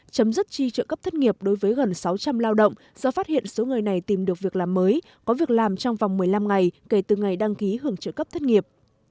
chấm dứt chi trợ cấp thất nghiệp đối với gần sáu trăm linh lao động do phát hiện số người này tìm được việc làm mới có việc làm trong vòng một mươi năm ngày kể từ ngày đăng ký hưởng trợ cấp thất nghiệp